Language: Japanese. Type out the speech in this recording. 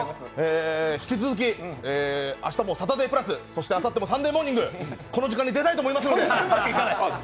引き続き、明日も「サタデープラス」、あさっても「サンデーモーニング」、この時間に出たいと思いますので！